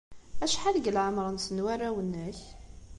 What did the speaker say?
Acḥal deg leɛmeṛ-nsen warraw-nnek?